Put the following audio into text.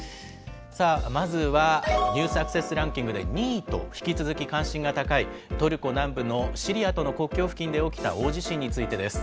さあ、まずはニュースアクセスランキングで２位と、引き続き関心が高い、トルコ南部のシリアとの国境付近で起きた大地震についてです。